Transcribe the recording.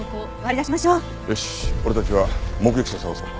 よし俺たちは目撃者を捜そう。